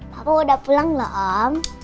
papa udah pulang loh om